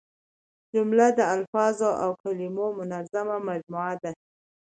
جمله د الفاظو او کلیمو منظمه مجموعه ده.